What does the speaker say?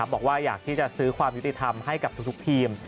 บอกว่าอยากที่จะซื้อความยุติธรรมให้กับทุกทีม